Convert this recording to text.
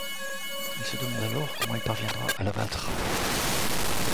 Il se demande alors comment il parviendra à l’abattre.